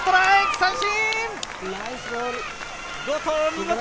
三振！